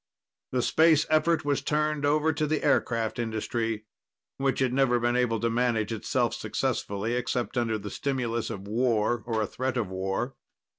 The space effort was turned over to the aircraft industry, which had never been able to manage itself successfully except under the stimulus of war or a threat of war.